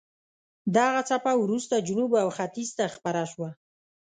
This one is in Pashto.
دغه څپه وروسته جنوب او ختیځ ته خپره شوه.